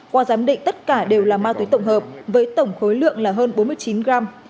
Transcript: qua giám định tất cả đều là ma túy tổng hợp với tổng khối lượng là hơn bốn mươi chín gram